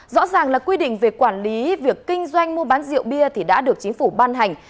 rõ ràng là quy định về quản lý việc kinh doanh mua bán rượu bia thì đã được chính phủ ban hành